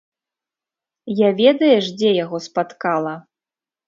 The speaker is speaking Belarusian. Я ведаеш дзе яго спаткала?